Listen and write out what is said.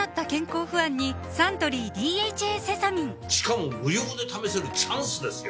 しかも無料で試せるチャンスですよ